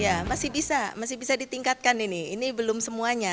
ya masih bisa masih bisa ditingkatkan ini ini belum semuanya